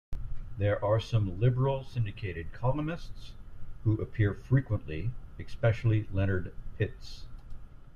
There are also some liberal syndicated columnists who appear frequently, especially Leonard Pitts.